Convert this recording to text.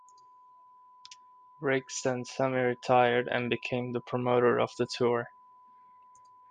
Riggs then semi-retired and became the promoter of the tour.